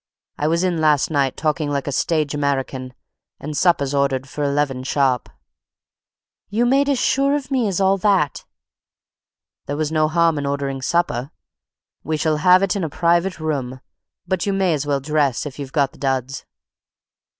I was in last night, talking like a stage American, and supper's ordered for eleven sharp." "You made as sure of me as all that!" "There was no harm in ordering supper. We shall have it in a private room, but you may as well dress if you've got the duds."